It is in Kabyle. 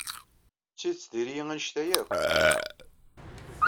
D tidet diri-iyi anect-a akk?